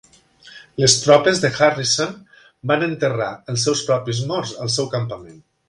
Les tropes de Harrison van enterrar els seus propis morts al seu campament.